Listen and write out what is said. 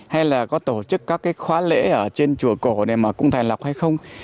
hay là có tổ chức các cái khóa lễ ở trên chùa cổ này mà cũng thành lập hay không